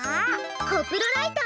コプロライト！